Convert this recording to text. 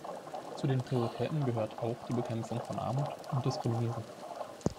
Zu den Prioritäten gehört auch die Bekämpfung von Armut und Diskriminierung.